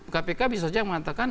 kpk bisa saja mengatakan